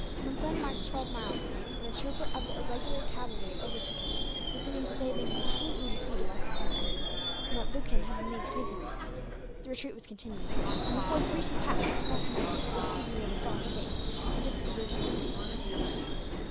Monson marched twelve miles when a trooper of the irregular cavalry overtook him, with the news that they had been completely defeated by Holkar's army, and that Lucan had been made prisoner. The retreat was continued, and the force reached the pass across the mountains on the evening of the following day, and took up a position there.